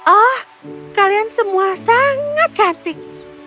oh kalian semua sangat cantik